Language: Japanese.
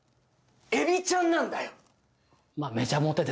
エビちゃんなんだよ